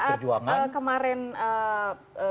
tapi pada saat kemarin ketika ini ya